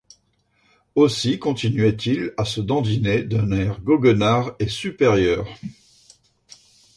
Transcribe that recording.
Aussi continuait-il à se dandiner d’un air goguenard et supérieur.